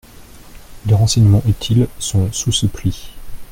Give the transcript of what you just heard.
Les renseignements utiles sont sous ce pli.